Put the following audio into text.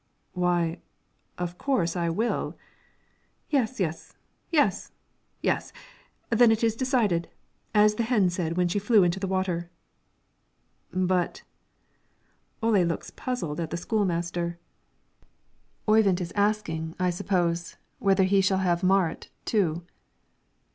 "Why, of course, I will." "Yes, yes, yes, yes; then it is decided, as the hen said when she flew into the water." "But" Ole looks puzzled at the school master. "Oyvind is asking, I suppose, whether he shall have Marit, to."